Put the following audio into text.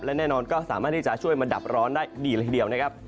และแน่นอนก็สามารถที่จะช่วยมาดับร้อนได้ดีเลยทีเดียวนะครับ